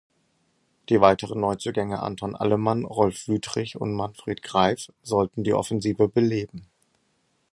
Die weiteren Neuzugänge Anton Allemann, Rolf Wüthrich und Manfred Greif sollten die Offensive beleben.